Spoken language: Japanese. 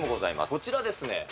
こちらですね。